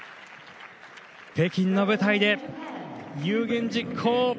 北京の舞台で有言実行